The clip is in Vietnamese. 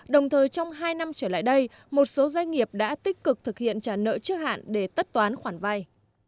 đồng thời trong hai năm trở lại đây một số doanh nghiệp đã tích cực thực hiện trả nợ trước hạn để tất toán khoản vay